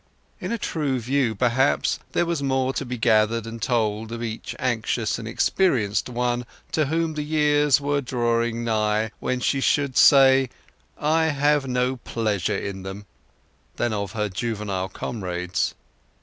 In a true view, perhaps, there was more to be gathered and told of each anxious and experienced one, to whom the years were drawing nigh when she should say, "I have no pleasure in them," than of her juvenile comrades.